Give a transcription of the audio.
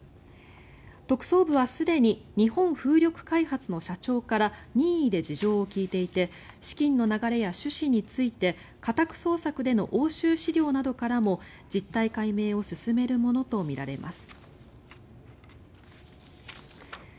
特捜部はすでに日本風力開発の社長から任意で事情を聴いていて資金の流れや趣旨について家宅捜索での押収資料などからも実態解明を進めるものとみられます。